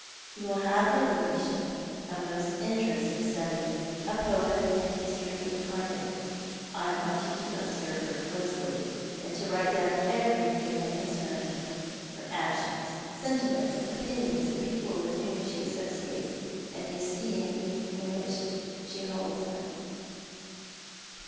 You will have her ladyship — a most interesting study, a poem and a history incarnate. I want you to observe her closely, and to write dowm everything that concerns her— her actions, sentiments, opinions, the people with whom she associates, and the esteem in which she holds them."